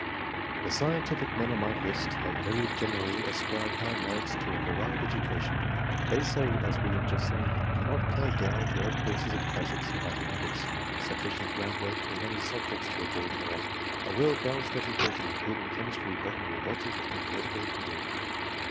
The scientific men on my list have very generally ascribed high merits to a varied edu cation. They say, as we have just seen :— "Not tied down to old courses of classics and mathematics.*' —" Sufficient groundwork in many subjects to avoid error/' —" A well balanced education, including chemistry, botany, logic, and political economy."